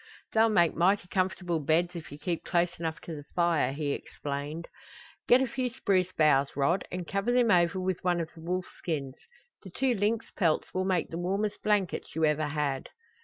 "They'll make mighty comfortable beds if you keep close enough to the fire," he explained. "Get a few spruce boughs, Rod, and cover them over with one of the wolf skins. The two lynx pelts will make the warmest blankets you ever had."